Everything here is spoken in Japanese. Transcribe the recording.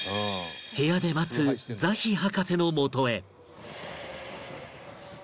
部屋で待つザヒ博士のもとへ